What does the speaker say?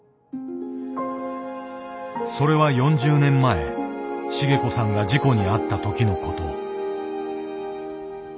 それは４０年前茂子さんが事故に遭ったときのこと。